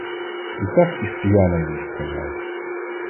І так ісп'яна їй сказав: